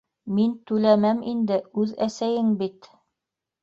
Мин түләмәм инде, үҙ әсәйең бит.